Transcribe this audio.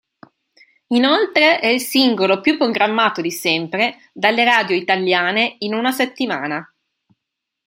Inoltre è il singolo più programmato di sempre dalle radio italiane in una settimana.